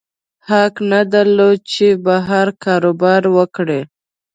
حق نه درلود چې بهر کاروبار وکړي.